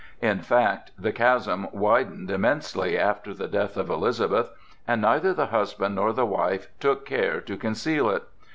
In fact, the chasm widened immensely after the death of Elizabeth, and neither the husband nor the wife took care to conceal it.